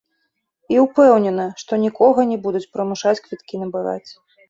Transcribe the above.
І ўпэўнена, што нікога не будуць прымушаць квіткі набываць.